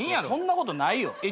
そんなことないよ。